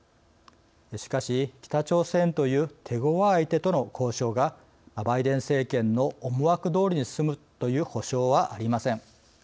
しかし北朝鮮という手ごわい相手との交渉がバイデン政権の思惑どおりに進むという保証はありません。